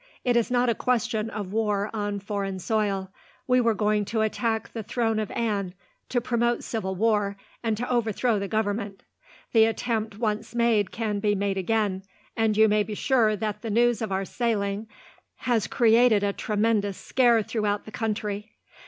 It is not a question of war on foreign soil. We were going to attack the throne of Anne, to promote civil war, and to overthrow the Government. The attempt once made can be made again, and you may be sure that the news of our sailing has created a tremendous scare throughout the country.